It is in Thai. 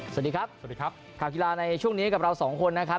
สวัสดีครับสวัสดีครับข่าวกีฬาในช่วงนี้กับเราสองคนนะครับ